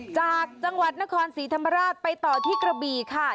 จากจังหวัดนครศรีธรรมราชไปต่อที่กระบี่ค่ะ